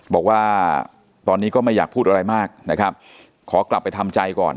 บอกว่าตอนนี้ก็ไม่อยากพูดอะไรมากนะครับขอกลับไปทำใจก่อน